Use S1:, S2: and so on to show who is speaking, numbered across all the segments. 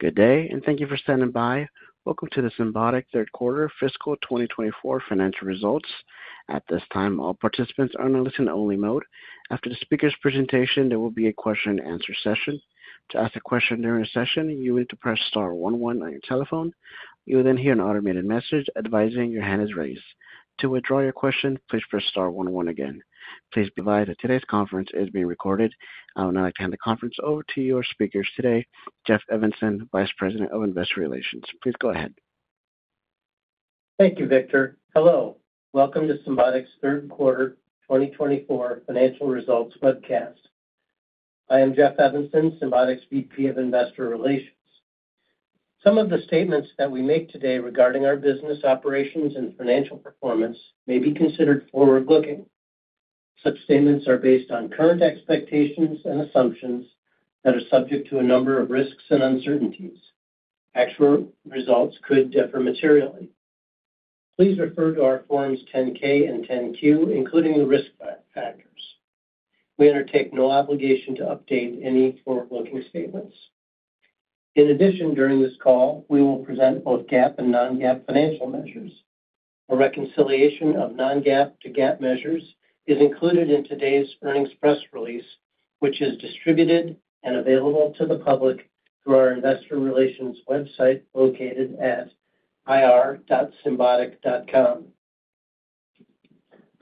S1: Good day, and thank you for standing by. Welcome to the Symbotic third quarter fiscal 2024 financial results. At this time, all participants are in a listen-only mode. After the speaker's presentation, there will be a question-and-answer session. To ask a question during the session, you need to press star one one on your telephone. You will then hear an automated message advising your hand is raised. To withdraw your question, please press star one one again. Please be advised that today's conference is being recorded. I will now hand the conference over to your speakers today, Jeff Evanson, Vice President of Investor Relations. Please go ahead.
S2: Thank you, Victor. Hello. Welcome to Symbotic's third quarter 2024 financial results webcast. I am Jeff Evanson, Symbotic's VP of Investor Relations. Some of the statements that we make today regarding our business operations and financial performance may be considered forward-looking. Such statements are based on current expectations and assumptions that are subject to a number of risks and uncertainties. Actual results could differ materially. Please refer to our Forms 10-K and 10-Q, including the risk factors. We undertake no obligation to update any forward-looking statements. In addition, during this call, we will present both GAAP and non-GAAP financial measures. A reconciliation of non-GAAP to GAAP measures is included in today's earnings press release, which is distributed and available to the public through our investor relations website, located at ir.symbotic.com.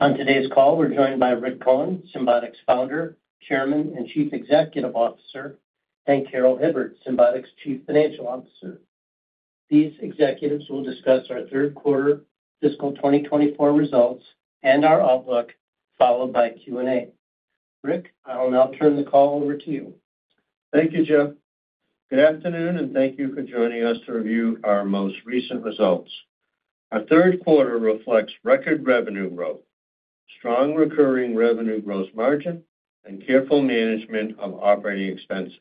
S2: On today's call, we're joined by Rick Cohen, Symbotic's Founder, Chairman, and Chief Executive Officer, and Carol Hibbard, Symbotic's Chief Financial Officer. These executives will discuss our third quarter fiscal 2024 results and our outlook, followed by Q&A. Rick, I will now turn the call over to you.
S3: Thank you, Jeff. Good afternoon, and thank you for joining us to review our most recent results. Our third quarter reflects record revenue growth, strong recurring revenue growth margin, and careful management of operating expenses.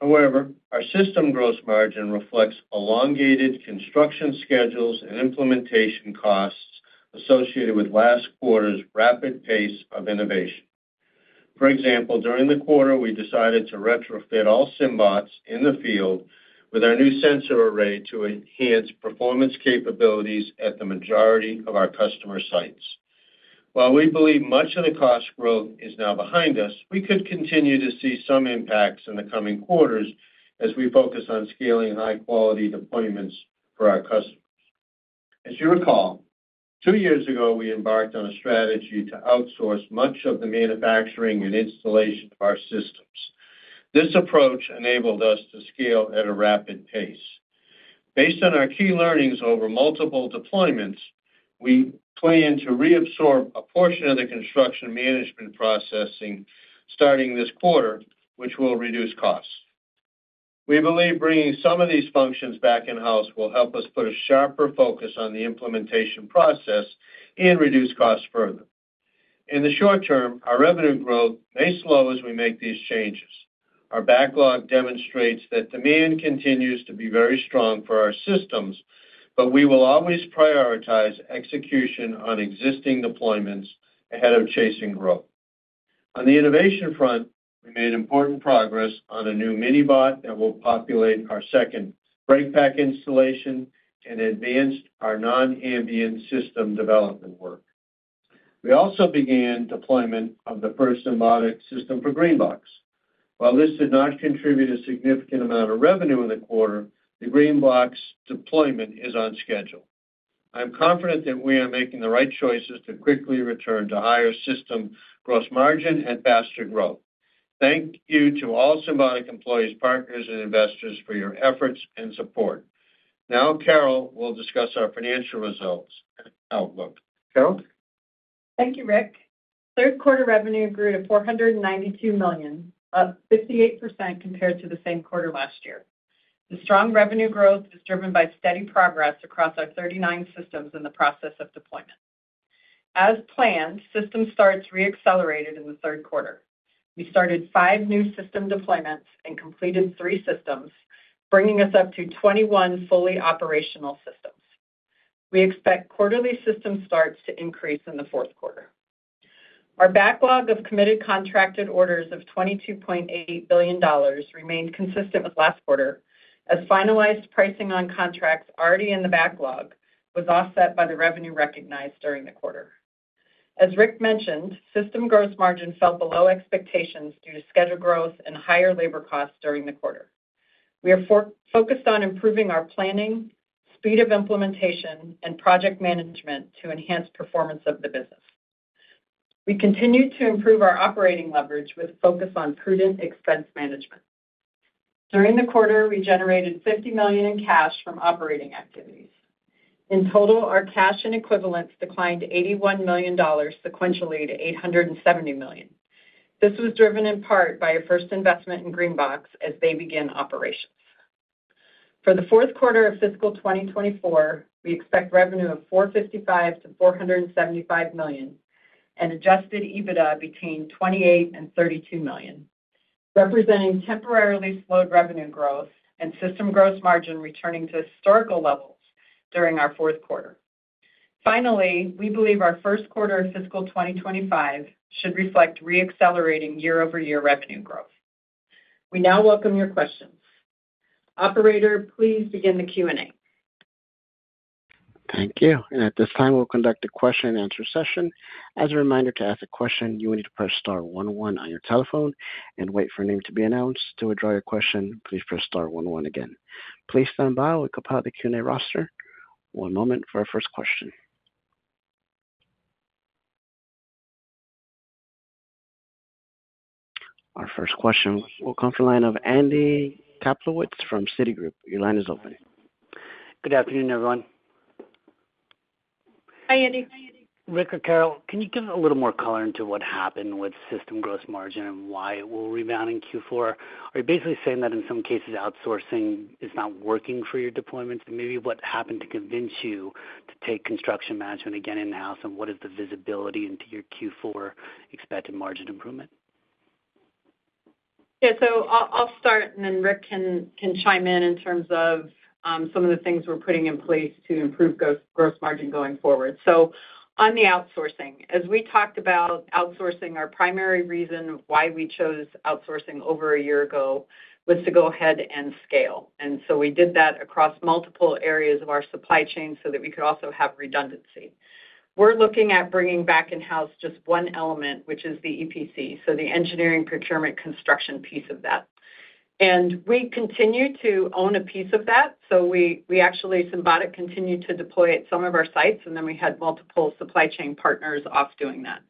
S3: However, our system gross margin reflects elongated construction schedules and implementation costs associated with last quarter's rapid pace of innovation. For example, during the quarter, we decided to retrofit all SymBots in the field with our new sensor array to enhance performance capabilities at the majority of our customer sites. While we believe much of the cost growth is now behind us, we could continue to see some impacts in the coming quarters as we focus on scaling high-quality deployments for our customers. As you recall, two years ago, we embarked on a strategy to outsource much of the manufacturing and installation of our systems. This approach enabled us to scale at a rapid pace. Based on our key learnings over multiple deployments, we plan to reabsorb a portion of the construction management processing starting this quarter, which will reduce costs. We believe bringing some of these functions back in-house will help us put a sharper focus on the implementation process and reduce costs further. In the short term, our revenue growth may slow as we make these changes. Our backlog demonstrates that demand continues to be very strong for our systems, but we will always prioritize execution on existing deployments ahead of chasing growth. On the innovation front, we made important progress on a new Minibot that will populate our second break pack installation and advanced our non-ambient system development work. We also began deployment of the first Symbotic system for GreenBox. While this did not contribute a significant amount of revenue in the quarter, the GreenBox deployment is on schedule. I'm confident that we are making the right choices to quickly return to higher system gross margin and faster growth. Thank you to all Symbotic employees, partners, and investors for your efforts and support. Now, Carol will discuss our financial results and outlook. Carol?
S4: Thank you, Rick. Third quarter revenue grew to $492 million, up 58% compared to the same quarter last year. The strong revenue growth is driven by steady progress across our 39 systems in the process of deployment. As planned, system starts re-accelerated in the third quarter. We started 5 new system deployments and completed 3 systems, bringing us up to 21 fully operational systems. We expect quarterly system starts to increase in the fourth quarter. Our backlog of committed contracted orders of $22.8 billion remained consistent with last quarter, as finalized pricing on contracts already in the backlog was offset by the revenue recognized during the quarter. As Rick mentioned, system gross margin fell below expectations due to scheduled growth and higher labor costs during the quarter. We are forward-focused on improving our planning, speed of implementation, and project management to enhance performance of the business. We continued to improve our operating leverage with focus on prudent expense management. During the quarter, we generated $50 million in cash from operating activities. In total, our cash and equivalents declined to $81 million sequentially to $870 million. This was driven in part by our first investment in GreenBox as they begin operations. For the fourth quarter of fiscal 2024, we expect revenue of $455 million-$475 million and Adjusted EBITDA between $28 million and $32 million, representing temporarily slowed revenue growth and system gross margin returning to historical levels during our fourth quarter. Finally, we believe our first quarter of fiscal 2025 should reflect reaccelerating year-over-year revenue growth. We now welcome your questions. Operator, please begin the Q&A.
S1: Thank you. And at this time, we'll conduct a question-and-answer session. As a reminder, to ask a question, you will need to press star one one on your telephone and wait for your name to be announced. To withdraw your question, please press star one one again. Please stand by while we compile the Q&A roster. One moment for our first question. Our first question will come from the line of Andy Kaplowitz from Citigroup. Your line is open.
S5: Good afternoon, everyone.
S4: Hi, Andy.
S5: Rick or Carol, can you give a little more color into what happened with system gross margin and why it will rebound in Q4? Are you basically saying that in some cases, outsourcing is not working for your deployments? And maybe what happened to convince you to take construction management again in-house, and what is the visibility into your Q4 expected margin improvement?
S4: Yeah, so I'll start, and then Rick can chime in in terms of some of the things we're putting in place to improve gross margin going forward. So on the outsourcing, as we talked about outsourcing, our primary reason why we chose outsourcing over a year ago was to go ahead and scale, and so we did that across multiple areas of our supply chain so that we could also have redundancy. We're looking at bringing back in-house just one element, which is the EPC, so the engineering, procurement, construction piece of that. And we continue to own a piece of that, so we actually, Symbotic continued to deploy at some of our sites, and then we had multiple supply chain partners off doing that.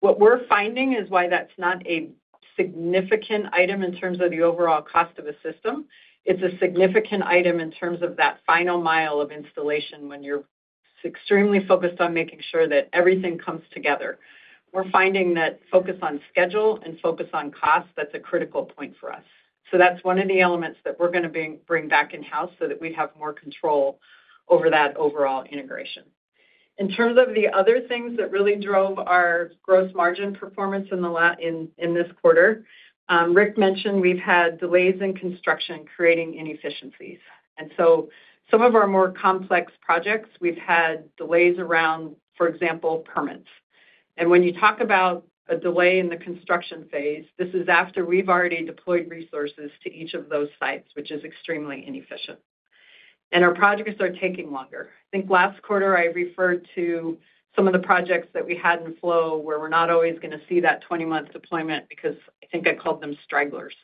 S4: What we're finding is why that's not a significant item in terms of the overall cost of a system. It's a significant item in terms of that final mile of installation when you're extremely focused on making sure that everything comes together. We're finding that focus on schedule and focus on cost, that's a critical point for us. So that's one of the elements that we're gonna bring back in-house so that we have more control over that overall integration. In terms of the other things that really drove our gross margin performance in this quarter, Rick mentioned we've had delays in construction creating inefficiencies. And so some of our more complex projects, we've had delays around, for example, permits. And when you talk about a delay in the construction phase, this is after we've already deployed resources to each of those sites, which is extremely inefficient. And our projects are taking longer. I think last quarter I referred to some of the projects that we had in flow where we're not always gonna see that 20-month deployment because I think I called them stragglers.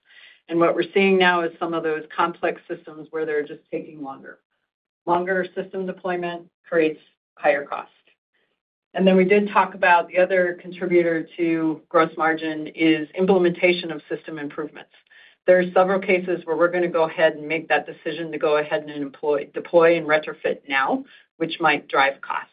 S4: And what we're seeing now is some of those complex systems where they're just taking longer. Longer system deployment creates higher cost. And then we did talk about the other contributor to gross margin is implementation of system improvements. There are several cases where we're gonna go ahead and make that decision to go ahead and deploy and retrofit now, which might drive cost.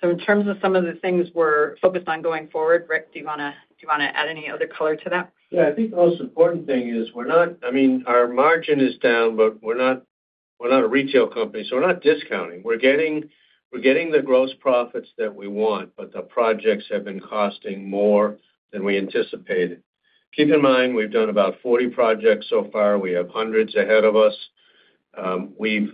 S4: So in terms of some of the things we're focused on going forward, Rick, do you wanna, do you wanna add any other color to that?
S3: Yeah. I think the most important thing is we're not... I mean, our margin is down, but we're not, we're not a retail company, so we're not discounting. We're getting, we're getting the gross profits that we want, but the projects have been costing more than we anticipated. Keep in mind, we've done about 40 projects so far. We have hundreds ahead of us. We've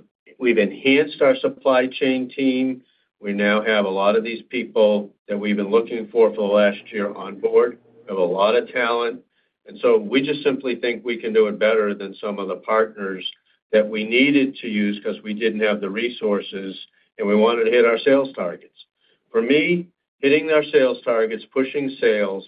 S3: enhanced our supply chain team. We now have a lot of these people that we've been looking for the last year on board. We have a lot of talent, and so we just simply think we can do it better than some of the partners that we needed to use because we didn't have the resources, and we wanted to hit our sales targets. For me, hitting our sales targets, pushing sales,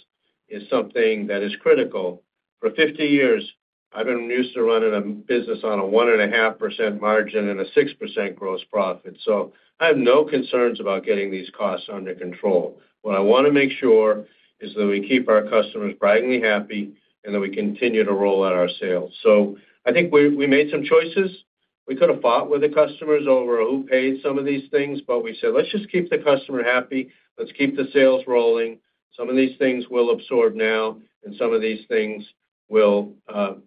S3: is something that is critical. For 50 years, I've been used to running a business on a 1.5% margin and a 6% gross profit, so I have no concerns about getting these costs under control. What I wanna make sure is that we keep our customers broadly happy and that we continue to roll out our sales. So I think we made some choices. We could have fought with the customers over who paid some of these things, but we said: Let's just keep the customer happy. Let's keep the sales rolling. Some of these things we'll absorb now, and some of these things will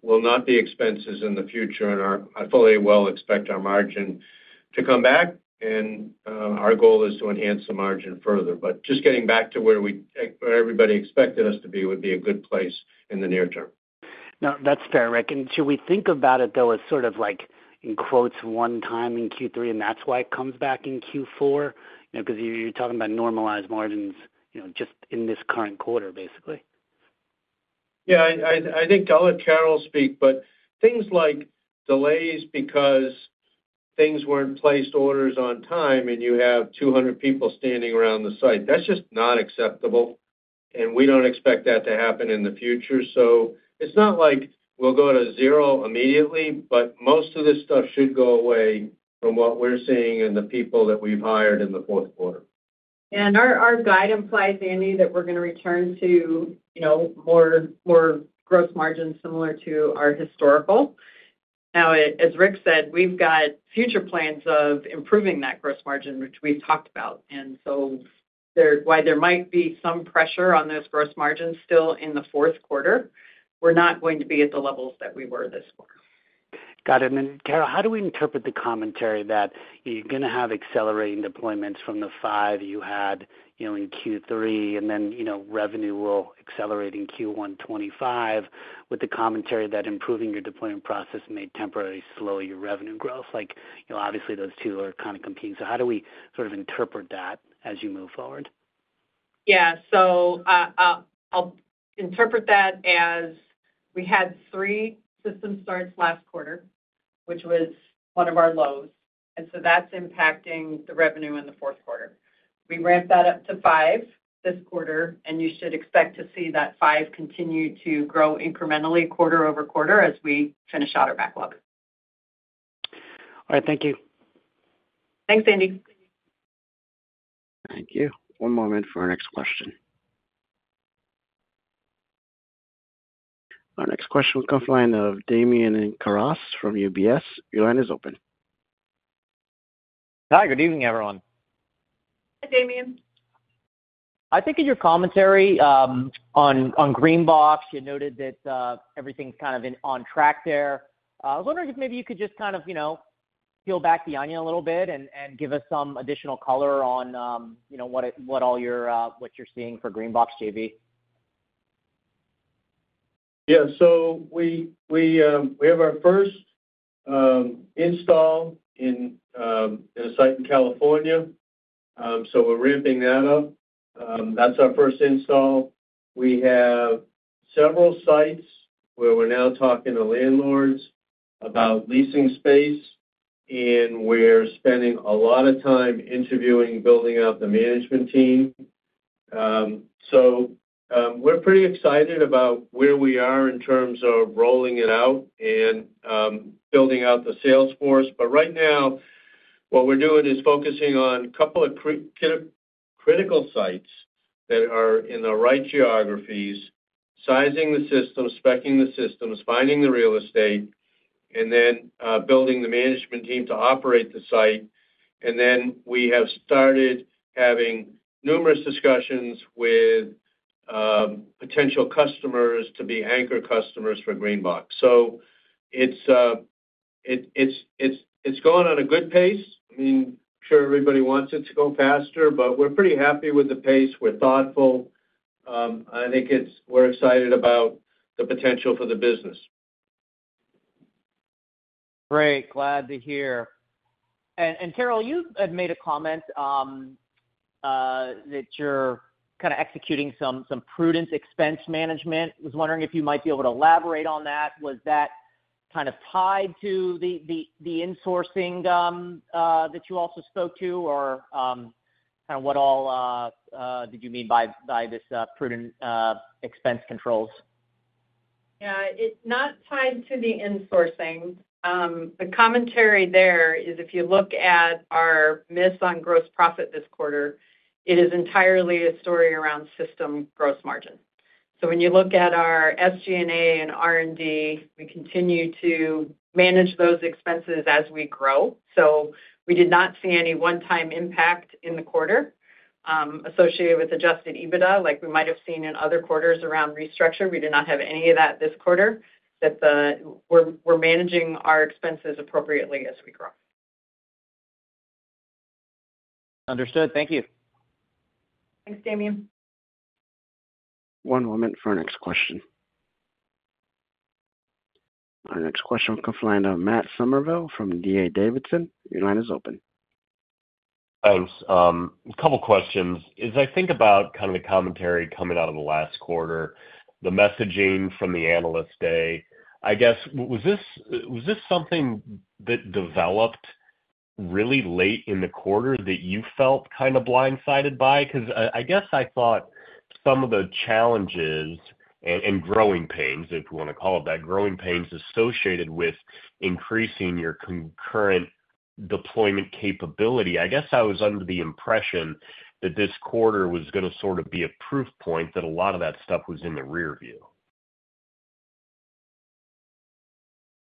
S3: not be expenses in the future. And I fully well expect our margin to come back, and our goal is to enhance the margin further. Just getting back to where we, where everybody expected us to be would be a good place in the near term.
S5: No, that's fair, Rick. And should we think about it, though, as sort of like, in quotes, "one time in Q3," and that's why it comes back in Q4? You know, because you, you're talking about normalized margins, you know, just in this current quarter, basically.
S3: Yeah, I think I'll let Carol speak, but things like delays because things weren't placed orders on time, and you have 200 people standing around the site, that's just not acceptable, and we don't expect that to happen in the future. So it's not like we'll go to zero immediately, but most of this stuff should go away from what we're seeing and the people that we've hired in the fourth quarter.
S4: Our guide implies, Andy, that we're gonna return to, you know, more gross margins similar to our historical. Now, as Rick said, we've got future plans of improving that gross margin, which we've talked about, and so there, while there might be some pressure on those gross margins still in the fourth quarter, we're not going to be at the levels that we were this quarter.
S5: Got it. And then, Carol, how do we interpret the commentary that you're gonna have accelerating deployments from the 5 you had, you know, in Q3, and then, you know, revenue will accelerate in Q1 2025, with the commentary that improving your deployment process may temporarily slow your revenue growth? Like, you know, obviously, those two are kind of competing, so how do we sort of interpret that as you move forward?...
S4: Yeah, so, I'll interpret that as we had three system starts last quarter, which was one of our lows, and so that's impacting the revenue in the fourth quarter. We ramped that up to five this quarter, and you should expect to see that five continue to grow incrementally quarter over quarter as we finish out our backlog.
S5: All right, thank you.
S4: Thanks, Andy.
S1: Thank you. One moment for our next question. Our next question will come from the line of Damian Karas from UBS. Your line is open.
S6: Hi, good evening, everyone.
S4: Hi, Damian.
S6: I think in your commentary on GreenBox, you noted that everything's kind of on track there. I was wondering if maybe you could just kind of, you know, peel back the onion a little bit and give us some additional color on, you know, what all you're seeing for GreenBox JV.
S3: Yeah, so we have our first install in a site in California, so we're ramping that up. That's our first install. We have several sites where we're now talking to landlords about leasing space, and we're spending a lot of time interviewing, building out the management team. So we're pretty excited about where we are in terms of rolling it out and building out the sales force. But right now, what we're doing is focusing on a couple of critical sites that are in the right geographies, sizing the systems, speccing the systems, finding the real estate, and then building the management team to operate the site. And then we have started having numerous discussions with potential customers to be anchor customers for GreenBox. So it's going on a good pace. I mean, I'm sure everybody wants it to go faster, but we're pretty happy with the pace. We're thoughtful. I think we're excited about the potential for the business.
S6: Great. Glad to hear. And Carol, you had made a comment that you're kind of executing some prudent expense management. I was wondering if you might be able to elaborate on that. Was that kind of tied to the insourcing that you also spoke to? Or, kind of what all did you mean by this prudent expense controls?
S4: Yeah, it's not tied to the insourcing. The commentary there is, if you look at our miss on gross profit this quarter, it is entirely a story around system gross margin. So when you look at our SG&A and R&D, we continue to manage those expenses as we grow. So we did not see any one-time impact in the quarter, associated with Adjusted EBITDA, like we might have seen in other quarters around restructure. We did not have any of that this quarter. We're managing our expenses appropriately as we grow.
S6: Understood. Thank you.
S4: Thanks, Damian.
S1: One moment for our next question. Our next question will come from the line of Matt Somerville from D.A. Davidson. Your line is open.
S7: Thanks. A couple questions. As I think about kind of the commentary coming out of the last quarter, the messaging from the analyst day, I guess, was this, was this something that developed really late in the quarter that you felt kind of blindsided by? 'Cause I, I guess I thought some of the challenges and, and growing pains, if you wanna call it that, growing pains associated with increasing your concurrent deployment capability, I guess I was under the impression that this quarter was gonna sort of be a proof point, that a lot of that stuff was in the rear view.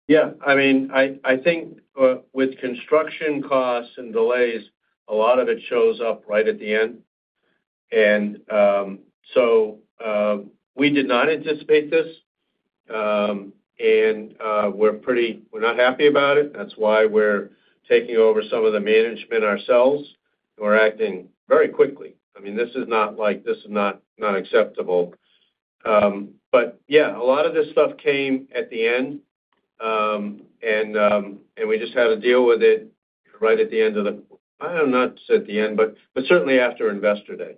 S3: Yeah. I mean, I think, with construction costs and delays, a lot of it shows up right at the end. And so, we did not anticipate this, and we're pretty. We're not happy about it. That's why we're taking over some of the management ourselves. We're acting very quickly. I mean, this is not like... This is not acceptable. But yeah, a lot of this stuff came at the end, and we just had to deal with it right at the end of the... Not at the end, but certainly after Investor Day.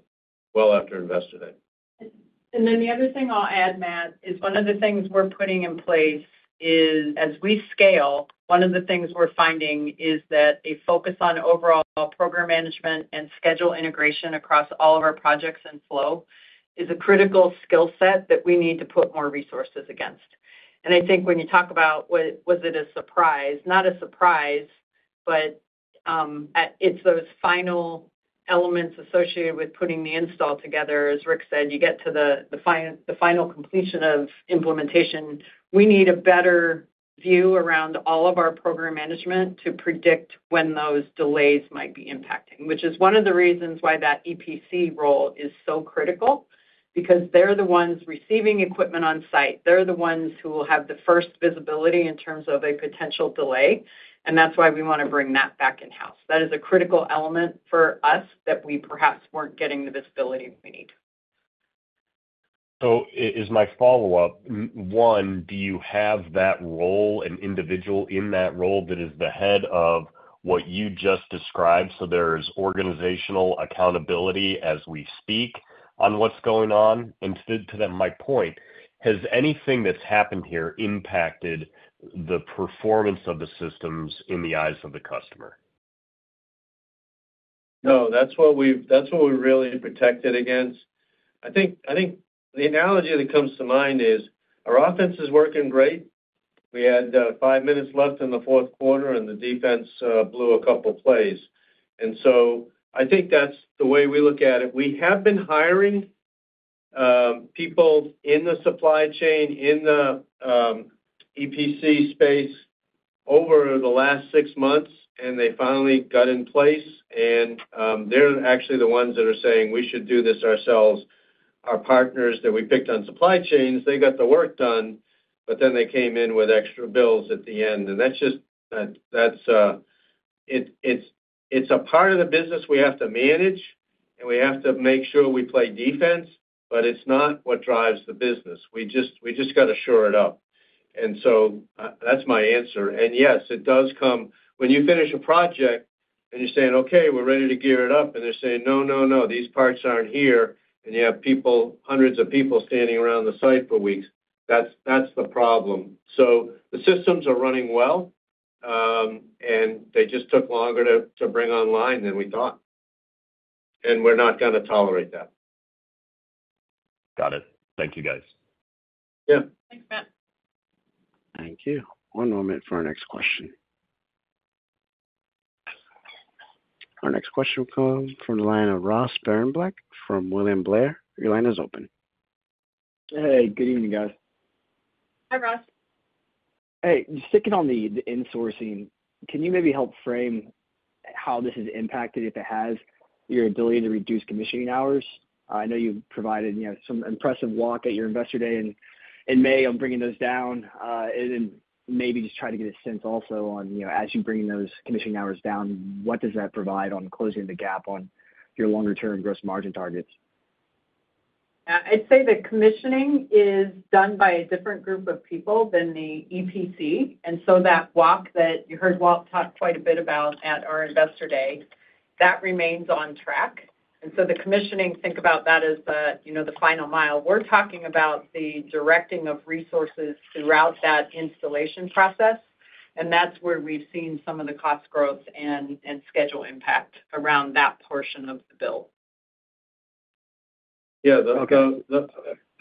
S3: Well, after Investor Day.
S4: And then the other thing I'll add, Matt, is one of the things we're putting in place is, as we scale, one of the things we're finding is that a focus on overall program management and schedule integration across all of our projects and flow is a critical skill set that we need to put more resources against. And I think when you talk about whether it was a surprise? Not a surprise, but, it's those final elements associated with putting the install together. As Rick said, you get to the, the final completion of implementation, we need a better view around all of our program management to predict when those delays might be impacting. Which is one of the reasons why that EPC role is so critical, because they're the ones receiving equipment on site. They're the ones who will have the first visibility in terms of a potential delay, and that's why we wanna bring that back in-house. That is a critical element for us, that we perhaps weren't getting the visibility we need....
S7: So as my follow-up, one, do you have that role, an individual in that role that is the head of what you just described, so there's organizational accountability as we speak on what's going on? And second, to then my point, has anything that's happened here impacted the performance of the systems in the eyes of the customer?
S3: No, that's what we've, that's what we're really protected against. I think, I think the analogy that comes to mind is, our offense is working great. We had five minutes left in the fourth quarter, and the defense blew a couple plays. And so I think that's the way we look at it. We have been hiring people in the supply chain, in the EPC space over the last six months, and they finally got in place. And they're actually the ones that are saying, "We should do this ourselves." Our partners that we picked on supply chains, they got the work done, but then they came in with extra bills at the end, and that's just, that's... It's a part of the business we have to manage, and we have to make sure we play defense, but it's not what drives the business. We just, we just got to shore it up. And so, that's my answer. And yes, it does come. When you finish a project and you're saying: Okay, we're ready to gear it up, and they're saying: No, no, no, these parts aren't here, and you have people, hundreds of people standing around the site for weeks, that's, that's the problem. So the systems are running well, and they just took longer to bring online than we thought, and we're not gonna tolerate that.
S7: Got it. Thank you, guys.
S3: Yeah.
S4: Thanks, Matt.
S1: Thank you. One moment for our next question. Our next question comes from the line of Ross Sparenblek from William Blair. Your line is open.
S8: Hey, good evening, guys.
S4: Hi, Ross.
S8: Hey, just sticking on the insourcing, can you maybe help frame how this has impacted, if it has, your ability to reduce commissioning hours? I know you've provided, you know, some impressive walk at your Investor Day in May on bringing those down. And then maybe just try to get a sense also on, you know, as you're bringing those commissioning hours down, what does that provide on closing the gap on your longer-term gross margin targets?
S4: I'd say the commissioning is done by a different group of people than the EPC, and so that walk that you heard Bill talk quite a bit about at our Investor Day, that remains on track. And so the commissioning, think about that as the, you know, the final mile. We're talking about the directing of resources throughout that installation process, and that's where we've seen some of the cost growth and schedule impact around that portion of the build.
S3: Yeah, the-
S8: Okay...
S3: the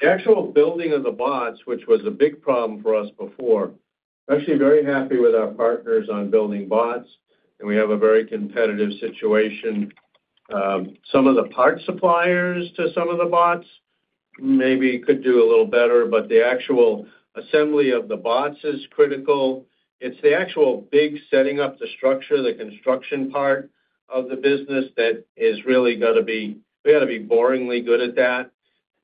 S3: actual building of the bots, which was a big problem for us before. We're actually very happy with our partners on building bots, and we have a very competitive situation. Some of the parts suppliers to some of the bots maybe could do a little better, but the actual assembly of the bots is critical. It's the actual big setting up the structure, the construction part of the business that is really gonna be. We gotta be boringly good at that.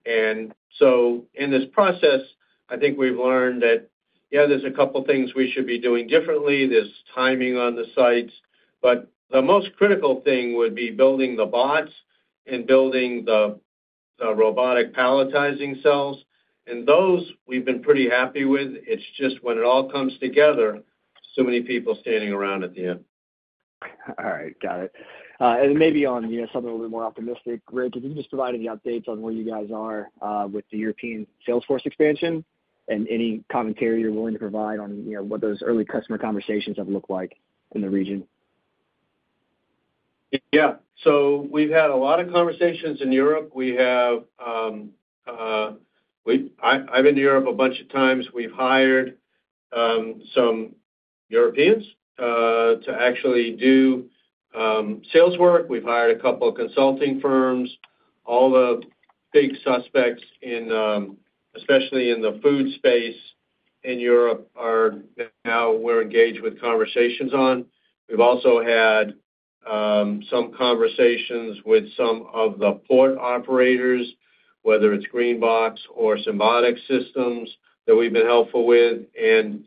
S3: And so in this process, I think we've learned that, yeah, there's a couple things we should be doing differently. There's timing on the sites, but the most critical thing would be building the bots and building the robotic palletizing cells, and those we've been pretty happy with. It's just when it all comes together, so many people standing around at the end.
S8: All right, got it. And maybe on, you know, something a little bit more optimistic. Rick, can you just provide any updates on where you guys are, with the European sales force expansion? And any commentary you're willing to provide on, you know, what those early customer conversations have looked like in the region?
S3: Yeah. So we've had a lot of conversations in Europe. We have, I've been to Europe a bunch of times. We've hired some Europeans to actually do sales work. We've hired a couple of consulting firms. All the big suspects in, especially in the food space in Europe, that now we're engaged with conversations on. We've also had some conversations with some of the port operators, whether it's GreenBox or Symbotic Systems, that we've been helpful with. And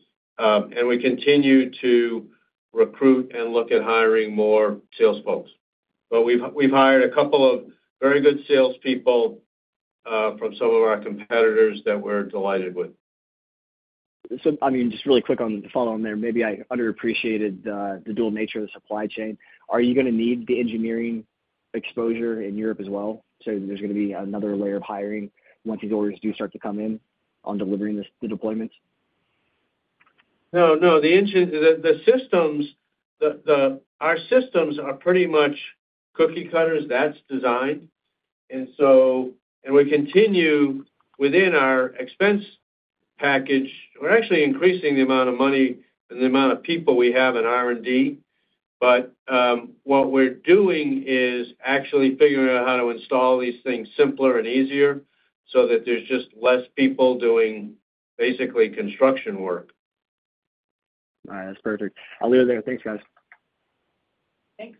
S3: we continue to recruit and look at hiring more sales folks. But we've hired a couple of very good salespeople from some of our competitors that we're delighted with.
S8: So, I mean, just really quick on the follow-on there, maybe I underappreciated the dual nature of the supply chain. Are you gonna need the engineering exposure in Europe as well? So there's gonna be another layer of hiring once these orders do start to come in on delivering this, the deployments?
S3: No, no. The systems. Our systems are pretty much cookie cutters. That's designed. And so, we continue within our expense package. We're actually increasing the amount of money and the amount of people we have in R&D. But what we're doing is actually figuring out how to install these things simpler and easier, so that there's just less people doing basically construction work.
S8: All right. That's perfect. I'll leave it there. Thanks, guys.
S4: Thanks.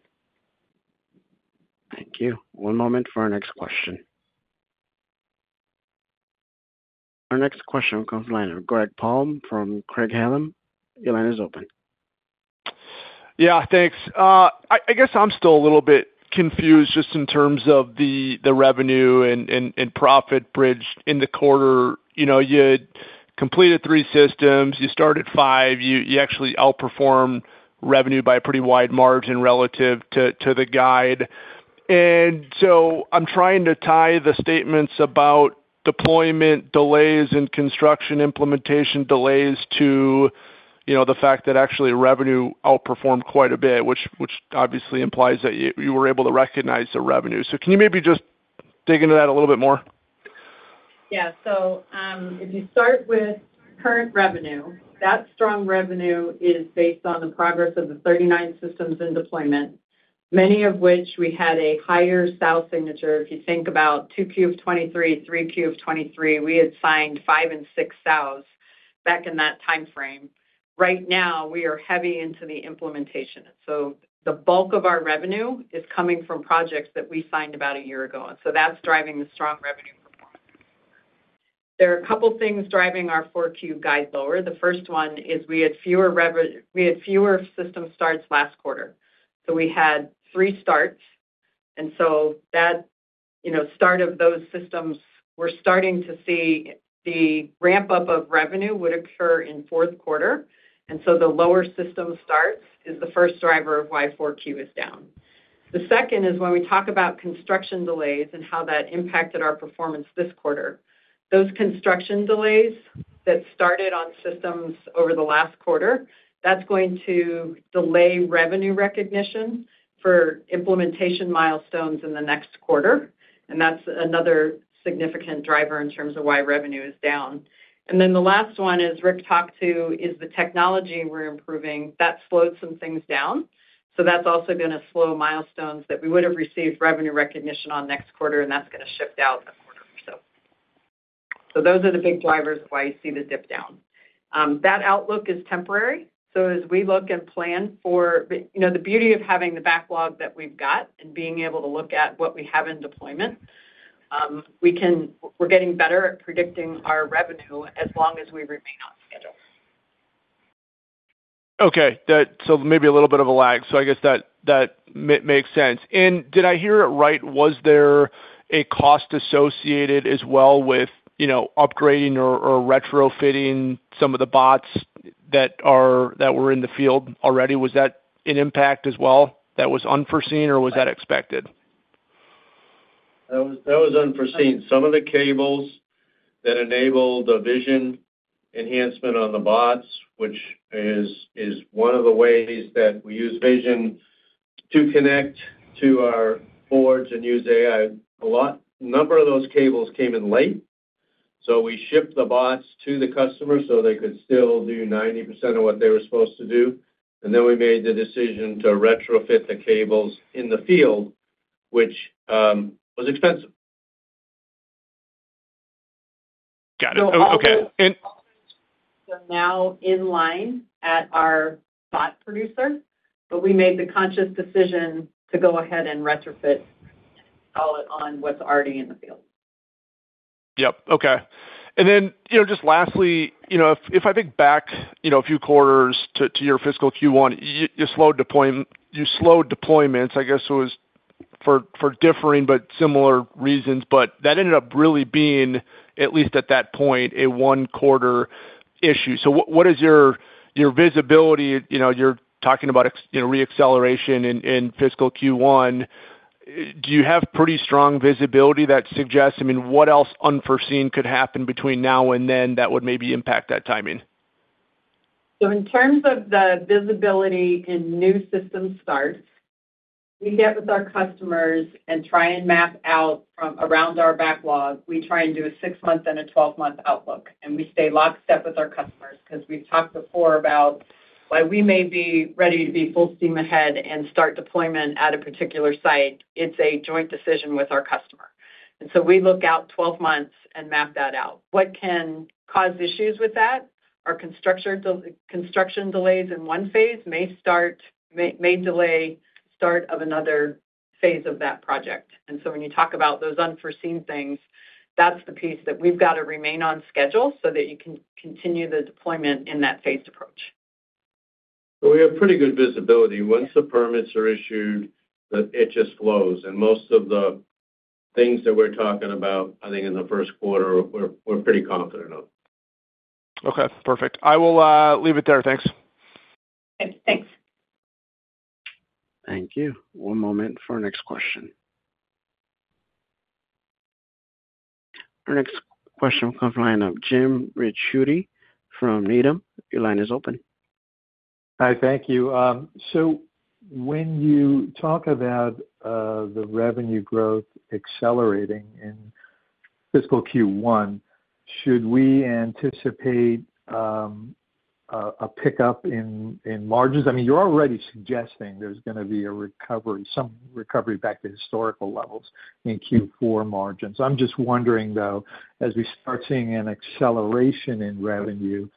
S1: Thank you. One moment for our next question. Our next question comes from the line of Greg Palm from Craig-Hallum. Your line is open.
S9: Yeah, thanks. I guess I'm still a little bit confused just in terms of the revenue and profit bridge in the quarter. You know, you had completed 3 systems. You started 5. You actually outperformed revenue by a pretty wide margin relative to the guide. And so I'm trying to tie the statements about deployment delays and construction implementation delays to, you know, the fact that actually revenue outperformed quite a bit, which obviously implies that you were able to recognize the revenue. So can you maybe just dig into that a little bit more?
S4: Yeah. So, if you start with current revenue, that strong revenue is based on the progress of the 39 systems in deployment, many of which we had a higher sales signature. If you think about 2Q 2023, 3Q 2023, we had signed 5 and 6 sales back in that timeframe. Right now, we are heavy into the implementation, and so the bulk of our revenue is coming from projects that we signed about a year ago, and so that's driving the strong revenue performance. There are a couple things driving our 4Q guide lower. The first one is we had fewer system starts last quarter. So we had three starts, and so that, you know, start of those systems, we're starting to see the ramp up of revenue would occur in fourth quarter, and so the lower system starts is the first driver of why Q4 is down. The second is when we talk about construction delays and how that impacted our performance this quarter. Those construction delays that started on systems over the last quarter, that's going to delay revenue recognition for implementation milestones in the next quarter, and that's another significant driver in terms of why revenue is down. And then the last one is, Rick talked to, is the technology we're improving. That slowed some things down, so that's also gonna slow milestones that we would have received revenue recognition on next quarter, and that's gonna shift out a quarter or so. So those are the big drivers of why you see the dip down. That outlook is temporary, so as we look and plan for... You know, the beauty of having the backlog that we've got and being able to look at what we have in deployment, we're getting better at predicting our revenue as long as we remain on schedule.
S9: Okay, so maybe a little bit of a lag, so I guess that makes sense. And did I hear it right? Was there a cost associated as well with, you know, upgrading or retrofitting some of the bots that were in the field already? Was that an impact as well, that was unforeseen, or was that expected?
S3: That was unforeseen. Some of the cables that enable the vision enhancement on the bots, which is one of the ways that we use vision to connect to our servers and use AI a lot, a number of those cables came in late, so we shipped the bots to the customer so they could still do 90% of what they were supposed to do. Then we made the decision to retrofit the cables in the field, which was expensive.
S9: Got it. Okay, and-
S4: Now in line at our bot production, but we made the conscious decision to go ahead and retrofit all of what's already in the field.
S9: Yep. Okay. And then, you know, just lastly, you know, if I think back, you know, a few quarters to your fiscal Q1, you slowed deployment, you slowed deployments, I guess it was for differing but similar reasons, but that ended up really being, at least at that point, a one quarter issue. So what is your visibility? You know, you're talking about, you know, reacceleration in fiscal Q1. Do you have pretty strong visibility that suggests... I mean, what else unforeseen could happen between now and then that would maybe impact that timing?
S4: So in terms of the visibility in new system starts, we meet with our customers and try and map out from around our backlog. We try and do a 6-month and a 12-month outlook, and we stay lockstep with our customers because we've talked before about why we may be ready to be full steam ahead and start deployment at a particular site. It's a joint decision with our customer, and so we look out 12 months and map that out. What can cause issues with that? Our construction delays in one phase may delay start of another phase of that project. And so when you talk about those unforeseen things, that's the piece that we've got to remain on schedule so that you can continue the deployment in that phased approach.
S3: So we have pretty good visibility. Once the permits are issued, it just flows, and most of the things that we're talking about, I think in the first quarter, we're pretty confident of.
S9: Okay, perfect. I will leave it there. Thanks.
S4: Thanks.
S1: Thank you. One moment for our next question. Our next question comes from the line of Jim Ricchiuti from Needham. Your line is open.
S10: Hi, thank you. So when you talk about the revenue growth accelerating in fiscal Q1, should we anticipate a pickup in margins? I mean, you're already suggesting there's gonna be a recovery, some recovery back to historical levels in Q4 margins. I'm just wondering, though, as we start seeing an acceleration in revenue,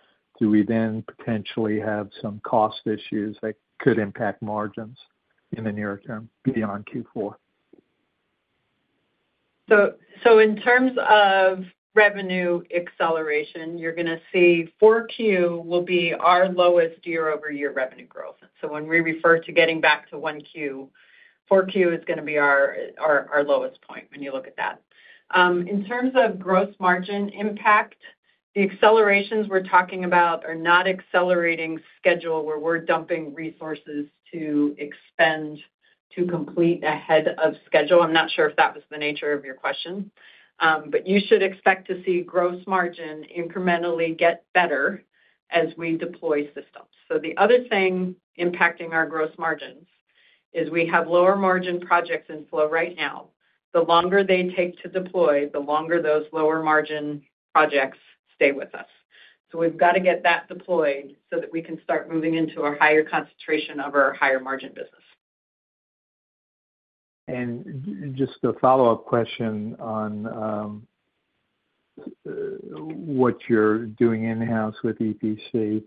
S10: do we then potentially have some cost issues that could impact margins in the near term beyond Q4?
S4: So in terms of revenue acceleration, you're going to see Q4 will be our lowest year-over-year revenue growth. So when we refer to getting back to Q1, Q4 is going to be our lowest point when you look at that. In terms of gross margin impact, the accelerations we're talking about are not accelerating schedule, where we're dumping resources to expend to complete ahead of schedule. I'm not sure if that was the nature of your question. But you should expect to see gross margin incrementally get better as we deploy systems. So the other thing impacting our gross margins is we have lower margin projects in flow right now. The longer they take to deploy, the longer those lower margin projects stay with us. So we've got to get that deployed so that we can start moving into a higher concentration of our higher margin business.
S10: Just a follow-up question on what you're doing in-house with EPC.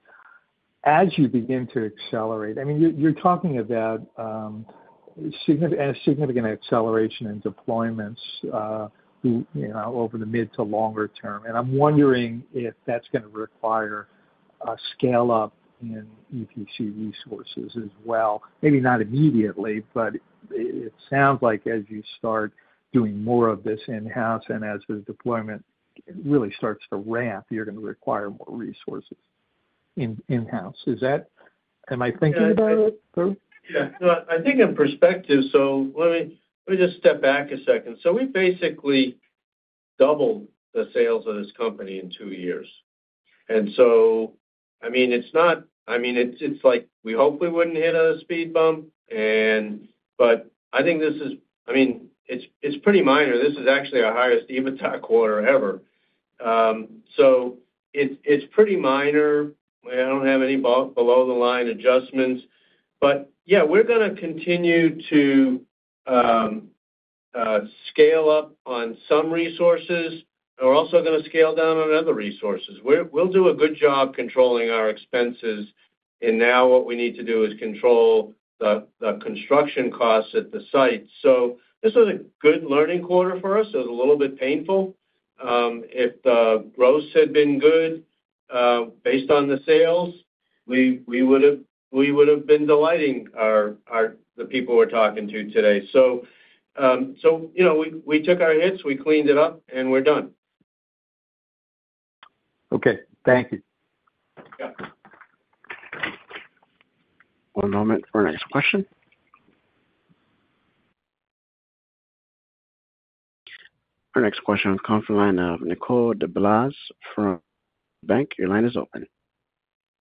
S10: As you begin to accelerate, I mean, you're talking about a significant acceleration in deployments, you know, over the mid to longer term, and I'm wondering if that's going to require a scale-up in EPC resources as well. Maybe not immediately, but it sounds like as you start doing more of this in-house, and as the deployment really starts to ramp, you're going to require more resources in-house. Is that... Am I thinking about it though?
S3: Yeah. No, I think in perspective, so let me just step back a second. So we basically doubled the sales of this company in two years. And so, I mean, it's not. I mean, it's like we hope we wouldn't hit a speed bump, and but I think this is. I mean, it's pretty minor. This is actually our highest EBITDA quarter ever. So it's pretty minor. I don't have any below the line adjustments, but yeah, we're going to continue to scale up on some resources, and we're also going to scale down on other resources. We'll do a good job controlling our expenses, and now what we need to do is control the construction costs at the site. So this was a good learning quarter for us. It was a little bit painful. If the gross had been good, based on the sales, we would've been delighting our the people we're talking to today. So, you know, we took our hits, we cleaned it up, and we're done.
S10: Okay, thank you.
S3: Yeah.
S1: One moment for our next question. Our next question comes from the line of Nicole DeBlase from Deutsche Bank. Your line is open.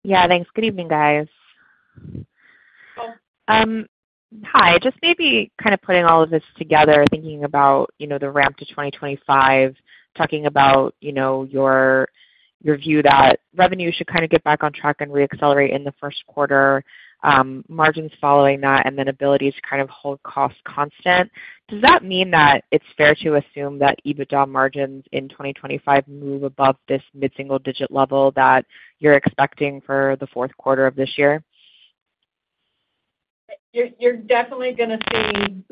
S11: Yeah, thanks. Good evening, guys. Hi, just maybe kind of putting all of this together, thinking about, you know, the ramp to 2025, talking about, you know, your, your view that revenue should kind of get back on track and reaccelerate in the first quarter, margins following that, and then ability to kind of hold costs constant. Does that mean that it's fair to assume that EBITDA margins in 2025 move above this mid-single digit level that you're expecting for the fourth quarter of this year?
S4: You're definitely going to see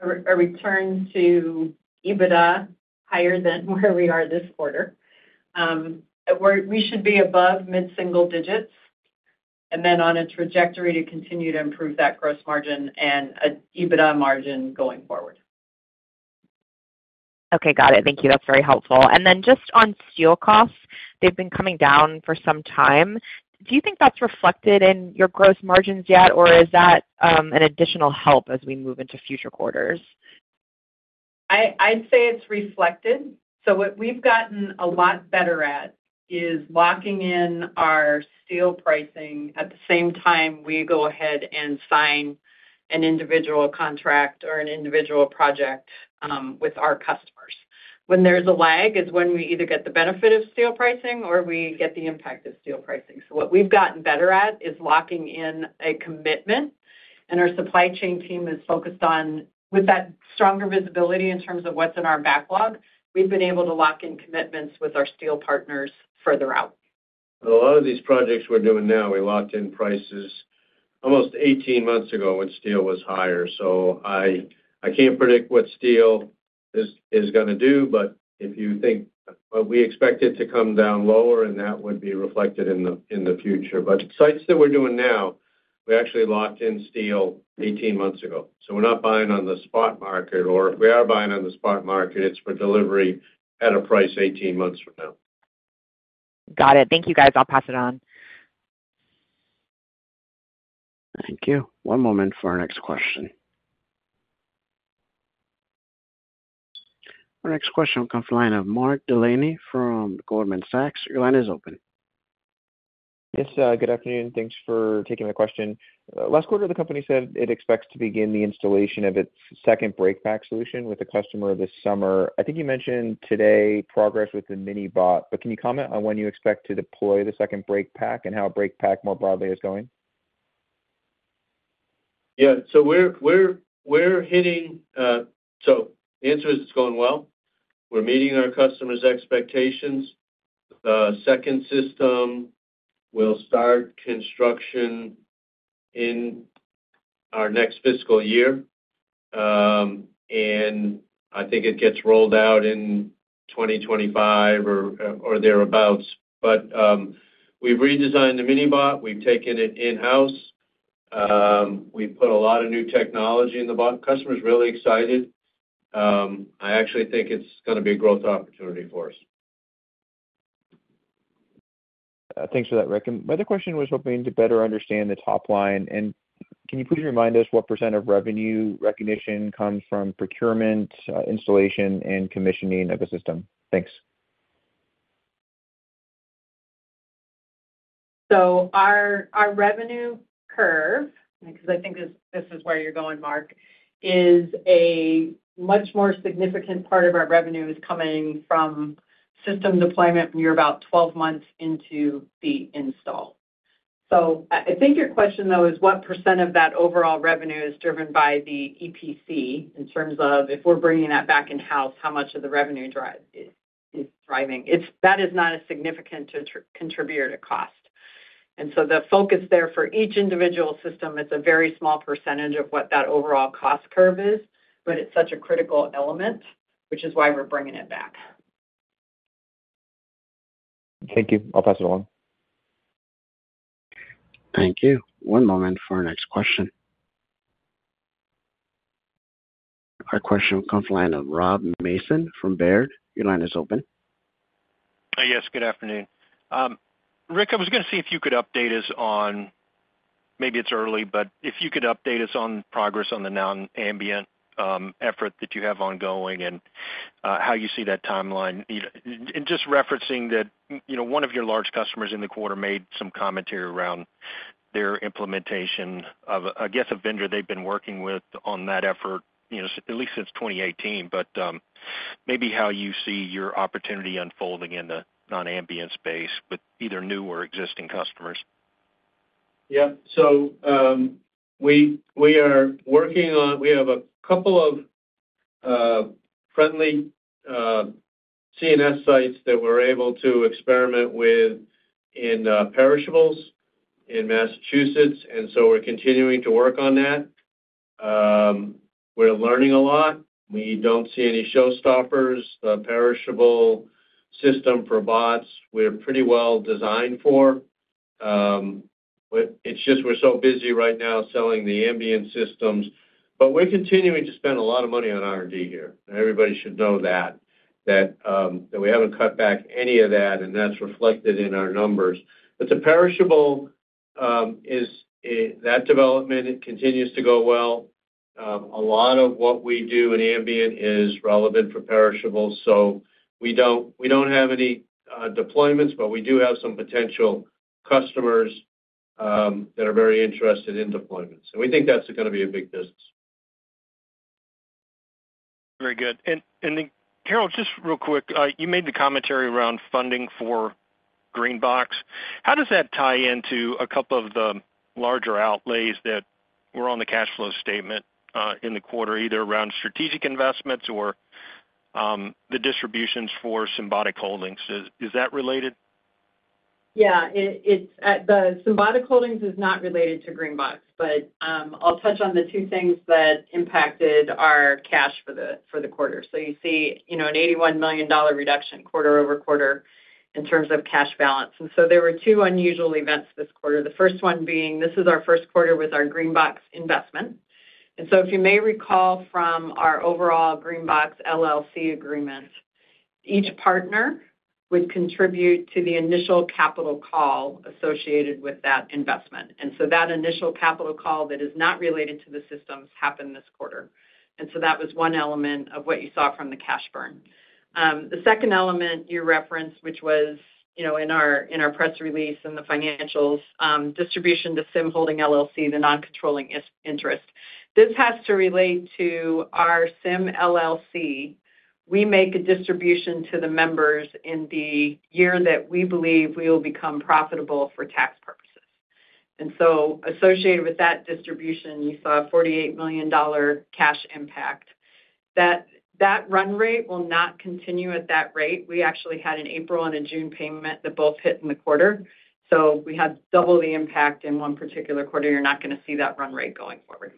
S4: a return to EBITDA higher than where we are this quarter. We should be above mid-single digits, and then on a trajectory to continue to improve that gross margin and a EBITDA margin going forward.
S11: Okay, got it. Thank you. That's very helpful. And then just on steel costs, they've been coming down for some time. Do you think that's reflected in your gross margins yet, or is that an additional help as we move into future quarters?
S4: I'd say it's reflected. So what we've gotten a lot better at is locking in our steel pricing at the same time we go ahead and sign an individual contract or an individual project with our customers. When there's a lag, is when we either get the benefit of steel pricing or we get the impact of steel pricing. So what we've gotten better at is locking in a commitment, and our supply chain team is focused on... With that stronger visibility in terms of what's in our backlog, we've been able to lock in commitments with our steel partners further out.
S3: A lot of these projects we're doing now, we locked in prices almost 18 months ago when steel was higher, so I can't predict what steel is going to do, but we expect it to come down lower, and that would be reflected in the future. But sites that we're doing now, we actually locked in steel 18 months ago, so we're not buying on the spot market, or if we are buying on the spot market, it's for delivery at a price 18 months from now.
S11: Got it. Thank you, guys. I'll pass it on.
S1: Thank you. One moment for our next question. Our next question comes from the line of Mark Delaney from Goldman Sachs. Your line is open.
S12: Yes, good afternoon, and thanks for taking my question. Last quarter, the company said it expects to begin the installation of its second break pack solution with a customer this summer. I think you mentioned today progress with the Minibot, but can you comment on when you expect to deploy the second break pack and how break pack more broadly is going?
S3: Yeah. So we're hitting. So the answer is it's going well. We're meeting our customers' expectations. The second system will start construction in our next fiscal year. And I think it gets rolled out in 2025 or thereabouts. But we've redesigned the Minibot, we've taken it in-house. We've put a lot of new technology in the bot. Customer is really excited. I actually think it's gonna be a growth opportunity for us.
S12: Thanks for that, Rick. My other question was hoping to better understand the top line. Can you please remind us what % of revenue recognition comes from procurement, installation, and commissioning of the system? Thanks.
S4: So our revenue curve, because I think this is where you're going, Mark, is a much more significant part of our revenue is coming from system deployment when you're about 12 months into the install. So I think your question, though, is what % of that overall revenue is driven by the EPC in terms of if we're bringing that back in-house, how much of the revenue drive is driving? That is not a significant contributor to cost. And so the focus there for each individual system, it's a very small percentage of what that overall cost curve is, but it's such a critical element, which is why we're bringing it back.
S12: Thank you. I'll pass it along.
S1: Thank you. One moment for our next question. Our question comes from the line of Rob Mason from Baird. Your line is open.
S13: Yes, good afternoon. Rick, I was gonna see if you could update us on, maybe it's early, but if you could update us on progress on the non-ambient effort that you have ongoing and how you see that timeline? You know, and just referencing that, you know, one of your large customers in the quarter made some commentary around their implementation of, I guess, a vendor they've been working with on that effort, you know, at least since 2018. But, maybe how you see your opportunity unfolding in the non-ambient space with either new or existing customers?
S3: Yeah. So, we are working on. We have a couple of friendly C&S sites that we're able to experiment with in perishables in Massachusetts, and so we're continuing to work on that. We're learning a lot. We don't see any showstoppers. The perishable system for bots, we're pretty well designed for, but it's just we're so busy right now selling the ambient systems. But we're continuing to spend a lot of money on R&D here. Everybody should know that, that we haven't cut back any of that, and that's reflected in our numbers. But the perishable, that development continues to go well. A lot of what we do in ambient is relevant for perishables, so we don't, we don't have any deployments, but we do have some potential customers that are very interested in deployments. We think that's gonna be a big business.
S13: Very good. And then, Carol, just real quick, you made the commentary around funding for GreenBox. How does that tie into a couple of the larger outlays that were on the cash flow statement, in the quarter, either around strategic investments or, the distributions for Symbotic Holdings? Is that related?
S4: Yeah, it's the Symbotic Holdings is not related to GreenBox, but I'll touch on the two things that impacted our cash for the quarter. So you see, you know, an $81 million reduction quarter-over-quarter in terms of cash balance. And so there were two unusual events this quarter. The first one being, this is our first quarter with our GreenBox investment. And so if you may recall from our overall GreenBox LLC agreement, each partner would contribute to the initial capital call associated with that investment. And so that initial capital call that is not related to the systems happened this quarter. And so that was one element of what you saw from the cash burn. The second element you referenced, which was, you know, in our press release and the financials, distribution to Symbotic Holdings LLC, the non-controlling interest. This has to relate to our Symbotic LLC. We make a distribution to the members in the year that we believe we will become profitable for tax purposes. And so associated with that distribution, you saw a $48 million cash impact. That, that run rate will not continue at that rate. We actually had an April and a June payment that both hit in the quarter, so we had double the impact in one particular quarter. You're not gonna see that run rate going forward.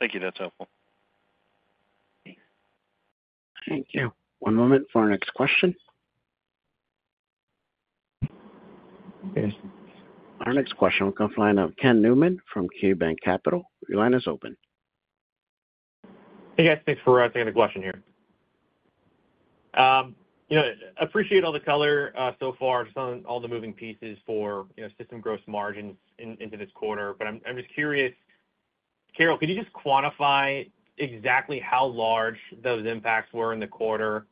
S13: Thank you. That's helpful.
S1: Thank you. One moment for our next question. Our next question comes from the line of Ken Newman from KeyBanc Capital. Your line is open.
S14: Hey, guys. Thanks for taking the question here. You know, appreciate all the color so far, just on all the moving pieces for, you know, system gross margins in, into this quarter. But I'm, I'm just curious, Carol, could you just quantify exactly how large those impacts were in the quarter?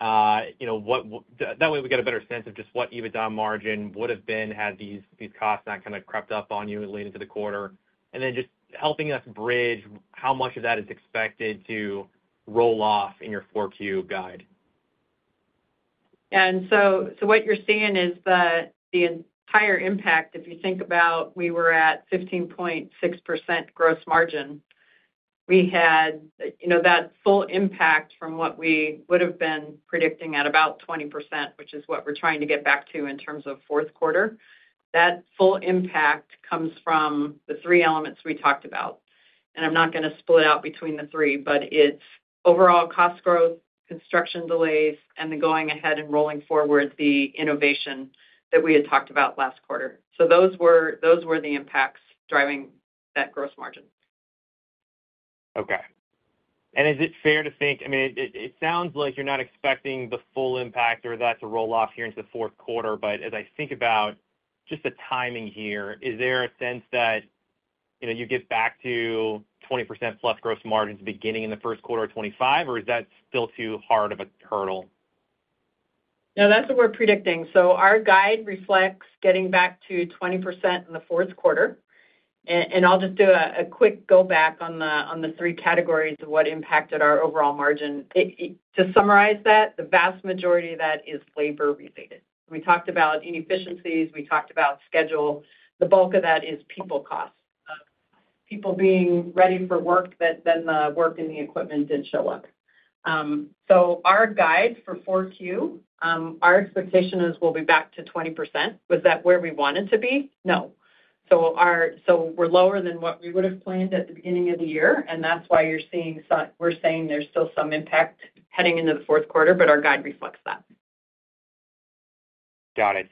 S14: You know, that way, we get a better sense of just what EBITDA margin would have been, had these, these costs not kind of crept up on you late into the quarter. And then just helping us bridge how much of that is expected to roll off in your 4Q guide.
S4: So what you're seeing is the entire impact, if you think about we were at 15.6% gross margin. We had, you know, that full impact from what we would have been predicting at about 20%, which is what we're trying to get back to in terms of fourth quarter. That full impact comes from the three elements we talked about, and I'm not gonna split out between the three, but it's overall cost growth, construction delays, and the going ahead and rolling forward the innovation that we had talked about last quarter. So those were the impacts driving that gross margin.
S14: Okay. And is it fair to think, I mean, it, it sounds like you're not expecting the full impact or that to roll off here into the fourth quarter, but as I think about just the timing here, is there a sense that, you know, you get back to 20%+ gross margins beginning in the first quarter of 2025, or is that still too hard of a hurdle?
S4: No, that's what we're predicting. So our guide reflects getting back to 20% in the fourth quarter. And I'll just do a quick go back on the three categories of what impacted our overall margin. To summarize that, the vast majority of that is labor related. We talked about inefficiencies, we talked about schedule. The bulk of that is people costs, people being ready for work, but then the work and the equipment didn't show up. So our guide for 4Q, our expectation is we'll be back to 20%. Was that where we wanted to be? No. So we're lower than what we would have planned at the beginning of the year, and that's why we're saying there's still some impact heading into the fourth quarter, but our guide reflects that.
S14: Got it.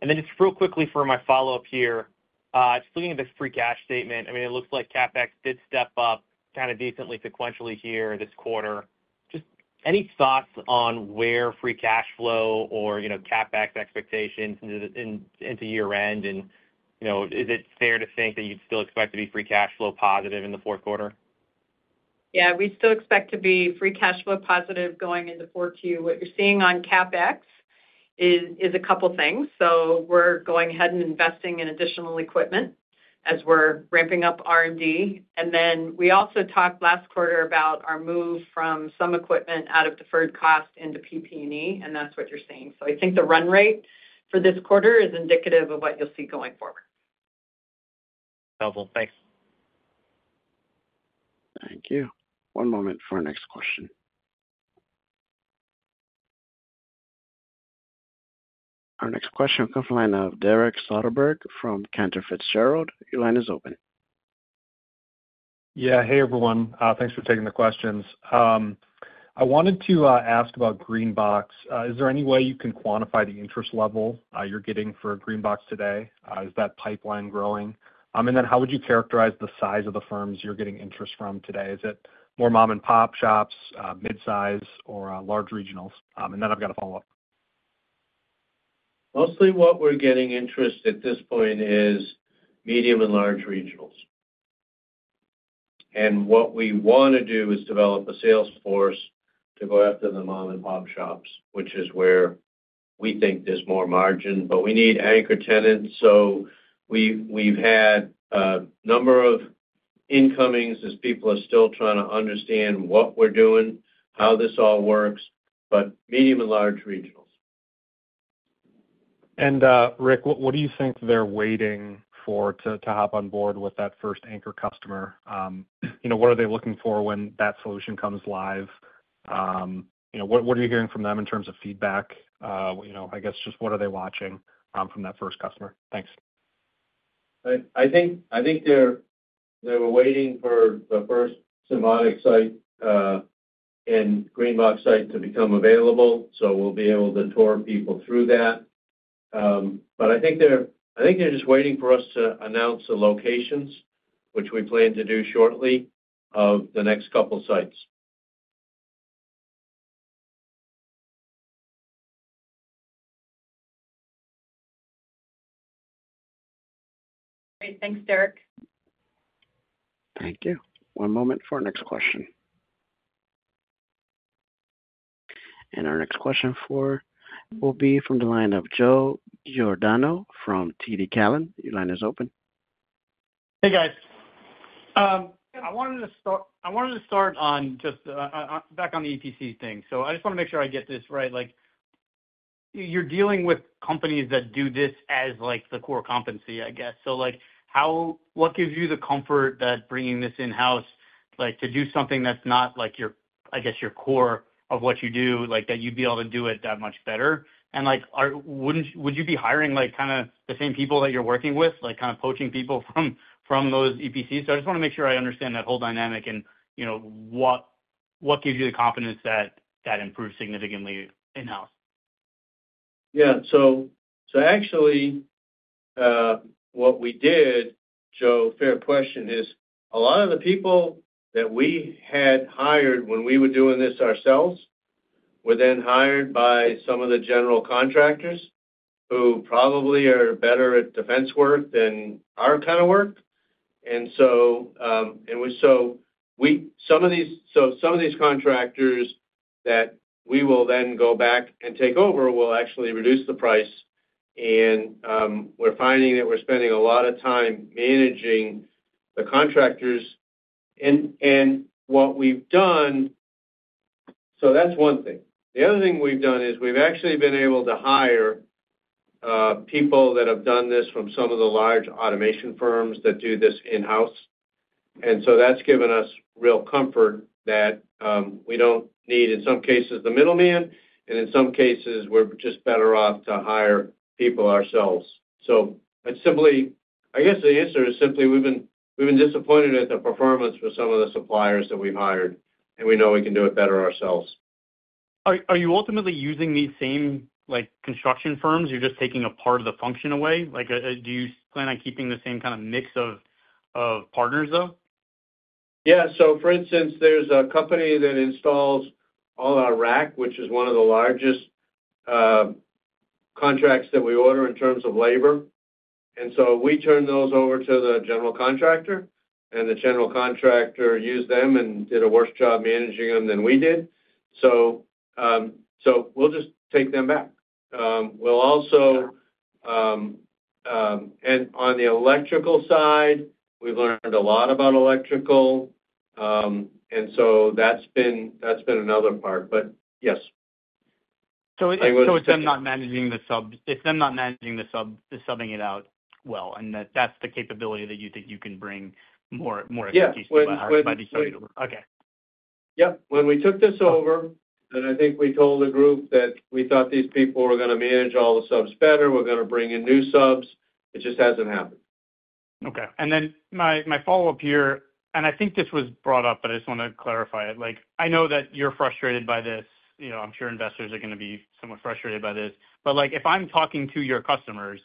S14: And then just real quickly for my follow-up here. Just looking at this free cash statement, I mean, it looks like CapEx did step up kinda decently sequentially here this quarter. Just any thoughts on where free cash flow or, you know, CapEx expectations into year-end? And, you know, is it fair to think that you'd still expect to be free cash flow positive in the fourth quarter?
S4: Yeah, we still expect to be free cash flow positive going into 4Q. What you're seeing on CapEx is a couple things. So we're going ahead and investing in additional equipment as we're ramping up R&D. And then we also talked last quarter about our move from some equipment out of deferred cost into PP&E, and that's what you're seeing. So I think the run rate for this quarter is indicative of what you'll see going forward.
S14: Helpful. Thanks.
S1: Thank you. One moment for our next question. Our next question comes from the line of Derek Soderberg from Cantor Fitzgerald. Your line is open.
S15: Yeah. Hey, everyone, thanks for taking the questions. I wanted to ask about GreenBox. Is there any way you can quantify the interest level you're getting for GreenBox today? Is that pipeline growing? And then how would you characterize the size of the firms you're getting interest from today? Is it more mom-and-pop shops, mid-size, or large regionals? And then I've got a follow-up.
S3: Mostly what we're getting interest at this point is medium and large regionals. And what we wanna do is develop a sales force to go after the mom-and-pop shops, which is where we think there's more margin, but we need anchor tenants. So we've had a number of incomings as people are still trying to understand what we're doing, how this all works, but medium and large regionals.
S15: Rick, what do you think they're waiting for to hop on board with that first anchor customer? You know, what are they looking for when that solution comes live? You know, what are you hearing from them in terms of feedback? You know, I guess just what are they watching from that first customer? Thanks.
S3: I think they were waiting for the first Symbotic site and GreenBox site to become available, so we'll be able to tour people through that. But I think they're just waiting for us to announce the locations, which we plan to do shortly, of the next couple sites.
S4: Great. Thanks, Derek.
S1: Thank you. One moment for our next question. Our next question will be from the line of Joe Giordano from TD Cowen. Your line is open.
S16: Hey, guys. I wanted to start on just back on the EPC thing. So I just wanna make sure I get this right. Like, you're dealing with companies that do this as, like, the core competency, I guess. So, like, what gives you the comfort that bringing this in-house, like, to do something that's not, like, your, I guess, your core of what you do, like, that you'd be able to do it that much better? And, like, wouldn't... Would you be hiring, like, kinda the same people that you're working with, like, kinda poaching people from those EPCs? So I just wanna make sure I understand that whole dynamic and, you know, what gives you the confidence that that improves significantly in-house?
S3: Yeah. So, actually, what we did, Joe, fair question, is a lot of the people that we had hired when we were doing this ourselves, were then hired by some of the general contractors who probably are better at defense work than our kind of work. And so, some of these contractors that we will then go back and take over will actually reduce the price and, we're finding that we're spending a lot of time managing the contractors. And what we've done. So that's one thing. The other thing we've done is we've actually been able to hire, people that have done this from some of the large automation firms that do this in-house. And so that's given us real comfort that, we don't need, in some cases, the middleman, and in some cases, we're just better off to hire people ourselves. So it's simply, I guess, the answer is simply, we've been disappointed at the performance with some of the suppliers that we've hired, and we know we can do it better ourselves.
S16: Are you ultimately using these same, like, construction firms? You're just taking a part of the function away? Like, do you plan on keeping the same kind of mix of partners, though?
S3: Yeah. So, for instance, there's a company that installs all our rack, which is one of the largest contracts that we order in terms of labor. And so we turn those over to the general contractor, and the general contractor used them and did a worse job managing them than we did. So, we'll just take them back. We'll also... And on the electrical side, we've learned a lot about electrical. And so that's been, that's been another part, but yes.
S16: It's them not managing the sub, just subbing it out well, and that, that's the capability that you think you can bring more, more efficiency-
S3: Yeah.
S16: By the way. Okay.
S3: Yep. When we took this over, and I think we told the group that we thought these people were gonna manage all the subs better, we're gonna bring in new subs. It just hasn't happened.
S16: Okay. Then my, my follow-up here, and I think this was brought up, but I just wanna clarify it. Like, I know that you're frustrated by this. You know, I'm sure investors are gonna be somewhat frustrated by this. But, like, if I'm talking to your customers,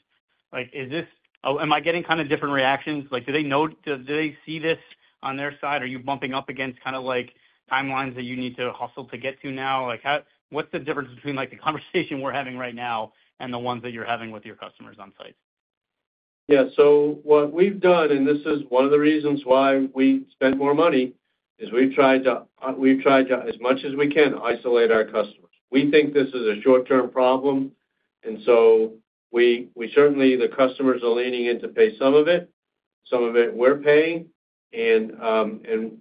S16: like, is this? Am I getting kind of different reactions? Like, do they know? Do, do they see this on their side? Are you bumping up against kind of like timelines that you need to hustle to get to now? Like, how? What's the difference between, like, the conversation we're having right now and the ones that you're having with your customers on site?
S3: Yeah. So what we've done, and this is one of the reasons why we spend more money, is we've tried to, as much as we can, isolate our customers. We think this is a short-term problem, and so we certainly, the customers are leaning in to pay some of it. Some of it we're paying, and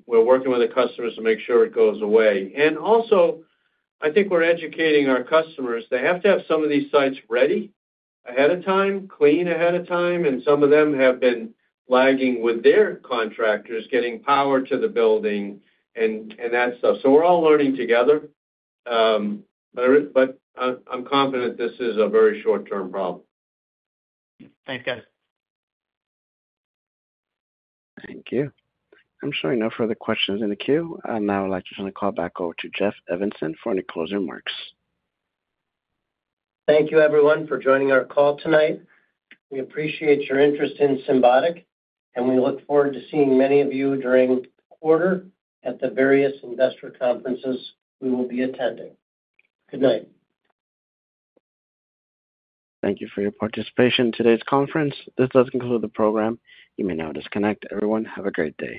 S3: we're working with the customers to make sure it goes away. And also, I think we're educating our customers. They have to have some of these sites ready ahead of time, clean ahead of time, and some of them have been lagging with their contractors, getting power to the building and that stuff. So we're all learning together. But I'm confident this is a very short-term problem.
S16: Thanks, guys.
S1: Thank you. I'm showing no further questions in the queue. I'd now like to turn the call back over to Jeff Evanson for any closing remarks.
S2: Thank you, everyone, for joining our call tonight. We appreciate your interest in Symbotic, and we look forward to seeing many of you during the quarter at the various investor conferences we will be attending. Good night.
S1: Thank you for your participation in today's conference. This does conclude the program. You may now disconnect. Everyone, have a great day.